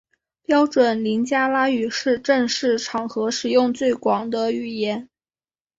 标准林加拉语是正式场合使用最广的语言。